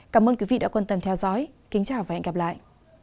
cảm ơn quý vị đã quan tâm theo dõi kính chào và hẹn gặp lại